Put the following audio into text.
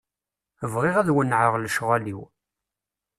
Bɣiɣ ad wennɛeɣ lecɣal-iw.